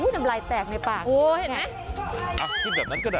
น้ำลายแตกในปากโอ้เห็นไหมอ่ะคิดแบบนั้นก็ได้